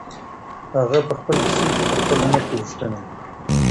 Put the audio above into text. هغه په خپل کیسې کي په خپل عمر کي رښتونی و.